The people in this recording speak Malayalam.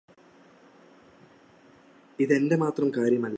ഇത് എന്റെ മാത്രം കാര്യമല്ല